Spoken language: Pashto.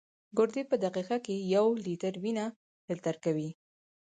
ګردې په دقیقه کې یو لیټر وینه فلټر کوي.